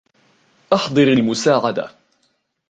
أحضِر المُساعدة.